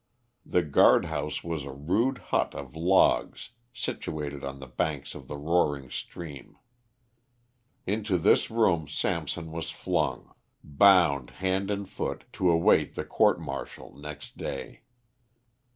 The guard house was a rude hut of logs situated on the banks of the roaring stream. Into this room Samson was flung, bound hand and foot, to await the court martial next day.